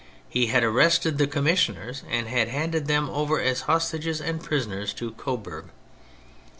He had arrested the commissioners, and had handed them over as hostages and prisoners to Coburg.